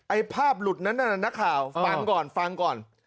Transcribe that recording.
ภาพหลุดนั้นน่ะนักข่าวฟังก่อนฟังก่อน